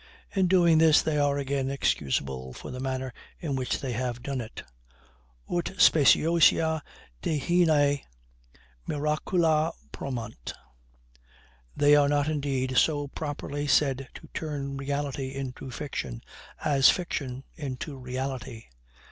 In doing this they are again excusable for the manner in which they have done it. Ut speciosa dehine miracula promant. They are not, indeed, so properly said to turn reality into fiction, as fiction into reality.